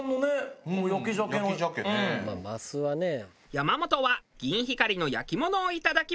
山本はギンヒカリの焼き物をいただきます。